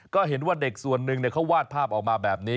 ก็เห็นว่าเด็กส่วนหนึ่งเขาวาดภาพออกมาแบบนี้